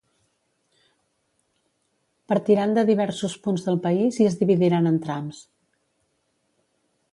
Partiran de diversos punts del país i es dividiran en trams.